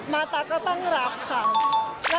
มาตาก็ตั้งรับค่ะ